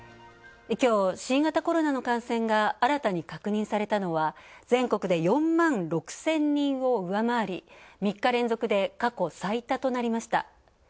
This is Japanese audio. きょう新型コロナの感染が新たに確認されたのは、全国で４万６０００人を上回り３日連続で過去最多となりました。